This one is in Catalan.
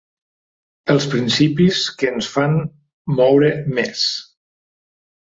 Els principis que ens fan moure més.